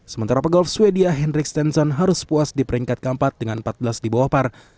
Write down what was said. sementara pegol swedia henryx tenson harus puas di peringkat keempat dengan empat belas di bawah par